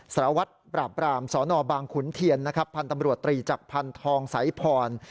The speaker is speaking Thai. สรวจปราบปรามสบขุนเทียนพันธมรวตตรีจักรพันธองสายพร